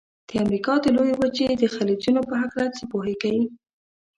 د امریکا د لویې وچې د خلیجونو په هلکه څه پوهیږئ؟